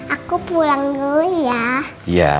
aku pulang dulu ya